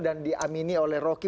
dan diamini oleh rocky